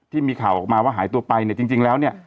ที่มีข่าวออกมาว่าหายตัวไปเนี่ยจริงแล้วเนี่ย